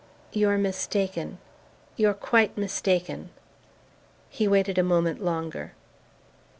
"You're mistaken you're quite mistaken." He waited a moment longer.